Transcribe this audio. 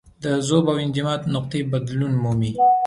د ذوب او انجماد نقطې بدلون مومي.